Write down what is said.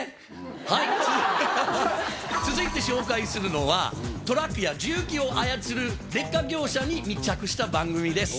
はい、続いて紹介するのは、トラックや重機を操るレッカー業者に密着した番組です。